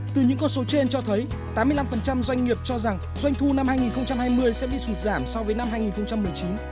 từ những con số trên cho thấy tám mươi năm doanh nghiệp cho rằng doanh thu năm hai nghìn hai mươi sẽ bị sụt giảm so với năm hai nghìn một mươi chín